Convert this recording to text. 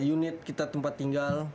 unit kita tempat tinggal